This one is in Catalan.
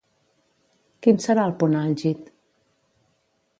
Quin serà el punt àlgid?